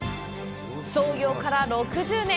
創業から６０年。